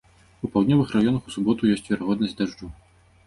У паўднёвых раёнах у суботу ёсць верагоднасць дажджу.